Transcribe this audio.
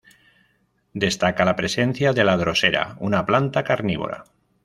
Destaca la presencia de la Drosera, una planta carnívora.